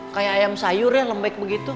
kayak ayam sayur ya lembek begitu